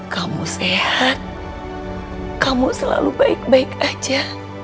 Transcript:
kamu sehat kamu selalu baik baik aja